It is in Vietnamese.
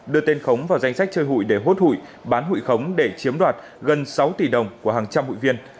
đưa tên khống vào danh sách chơi hụi để hốt hụi bán hụi khống để chiếm đoạt gần sáu tỷ đồng của hàng trăm hụi viên